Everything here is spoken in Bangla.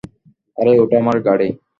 আরে, ওটা আমার গাড়ি।